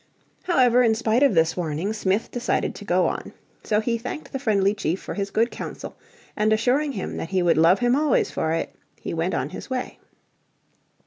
However in spite of this warning Smith decided to go on. So he thanked the friendly chief for his good counsel, and assuring him that he would love him always for it, he went on his way.